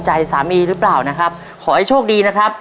ขอให้โชคดีนะครับ